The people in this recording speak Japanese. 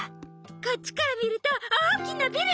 こっちからみるとおおきなビル！